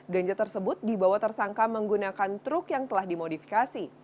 ganja tersebut dibawa tersangka menggunakan truk yang telah dimodifikasi